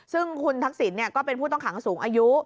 ซึ่งคุณทักษิณก็เป็นผู้ต้องขังสูงอายุ